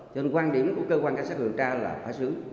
cho nên quan điểm của cơ quan cá sát hướng tra là phải sử dụng